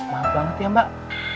maaf banget ya mbak